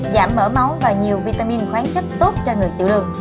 giảm mở máu và nhiều vitamin khoáng chất tốt cho người tiểu đường